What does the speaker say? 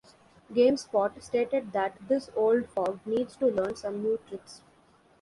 GameSpot stated that This old fog needs to learn some new tricks.